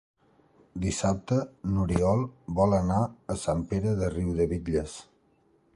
Dissabte n'Oriol vol anar a Sant Pere de Riudebitlles.